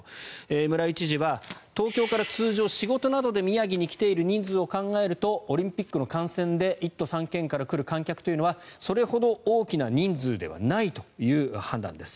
村井知事は東京から通常、仕事などで宮城に来ている人数を考えるとオリンピックの観戦で１都３県から来る観客というのはそれほど大きな人数ではないという判断です。